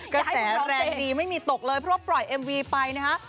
กระแสแรงดีไม่มีตกเลยเพราะว่าปล่อยเอ็มวีไปนะฮะ